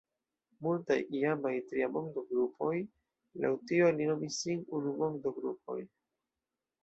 Multaj iamaj “Triamondo-grupoj” laŭ tio alinomis sin “Unumondo-grupoj”.